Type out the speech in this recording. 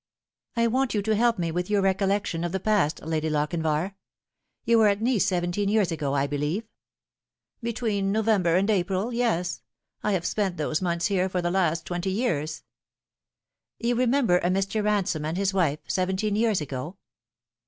" I want you to help me with your recollection of the past Lady Lochinvar. You were at Nice seventeen years ago, 1 believe ?"" Between November and April, yes. I have spent those months here for the last twenty years." "You remember a Mr. Ransome and his wife, seventeen years ago